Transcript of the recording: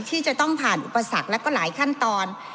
ที่จะต้องผ่านอุปสรรคแล้วก็หลายขั้นตอน